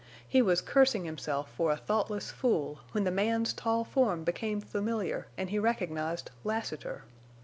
He was cursing himself for a thoughtless fool when the man's tall form became familiar and he recognized Lassiter.